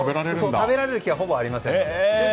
食べられる機会はほぼありません。